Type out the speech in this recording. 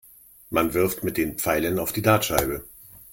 Man wirft mit den Pfeilen auf die Dartscheibe.